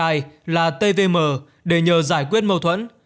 anh trai là t v m để nhờ giải quyết mâu thuẫn